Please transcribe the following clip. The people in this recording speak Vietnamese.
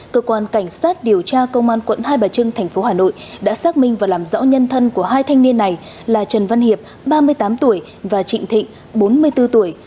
cơ quan cảnh sát điều tra công an quận hai bà trưng tp hà nội đã xác minh và làm rõ nhân thân của hai thanh niên này là trần văn hiệp ba mươi tám tuổi và trịnh thịnh bốn mươi bốn tuổi